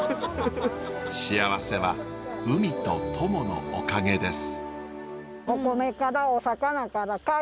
幸せは海と友のおかげです。